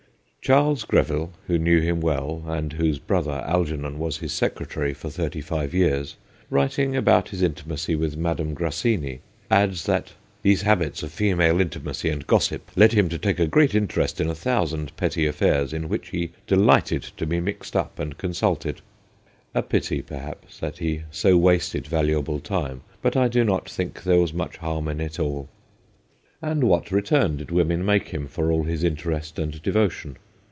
Charles Gre ville, who knew him well, and whose brother Algernon was his secretary for thirty five years, writing about his intimacy with Madame Grassini, adds that ' these habits of female intimacy and gossip led him to take a great interest in a thousand petty affairs, in which he delighted to be mixed up and con sulted/ A pity, perhaps, that he so wasted valuable time, but I do not think there was much harm in it all. 174 THE GHOSTS OF PICCADILLY And what return did women make him for all this interest and devotion